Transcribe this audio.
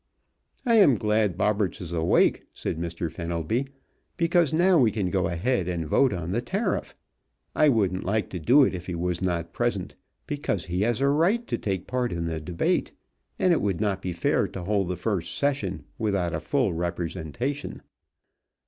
"I am glad Bobberts is awake," said Mr. Fenelby, "because now we can go ahead and vote on the tariff. I wouldn't like to do it if he was not present, because he has a right to take part in the debate, and it would not be fair to hold the first session without a full representation.